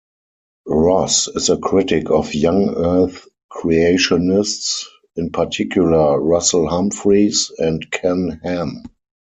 Ross is a critic of young-Earth creationists, in particular Russell Humphreys and Ken Ham.